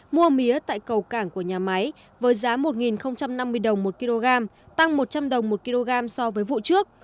mua mía tại cầu cảng của nhà máy với giá một năm mươi đồng một kg tăng một trăm linh đồng một kg so với vụ trước